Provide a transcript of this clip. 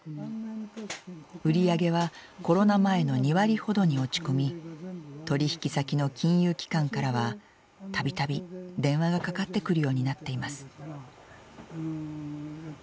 売り上げはコロナ前の２割ほどに落ち込み取り引き先の金融機関からは度々電話がかかってくるようになっています。